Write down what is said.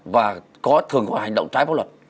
và có thường có hành động trái pháp luật